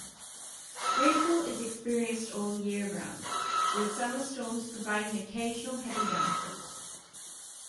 Rainfall is experienced all year round, with summer storms providing occasional heavy downpours.